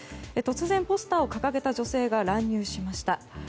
突然ポスターを掲げた女性が乱入しました。